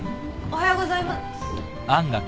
おはようございま。